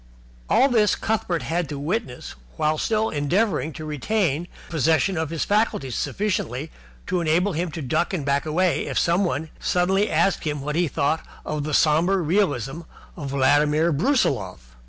All this Cuthbert had to witness while still endeavouring to retain the possession of his faculties sufficiently to enable him to duck and back away if somebody suddenly asked him what he thought of the sombre realism of Vladimir Brusiloff.